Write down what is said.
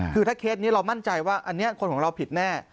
คือถ้าเคสนี้เรามั่นใจว่าอันนี้คนของเราผิดแน่